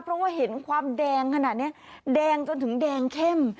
เพราะว่าเห็นความแดงขนาดนี้แดงจนถึงแดงเข้ม